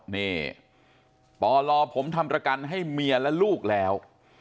นี่ปลผมทำประกันให้เมียและลูกแล้ว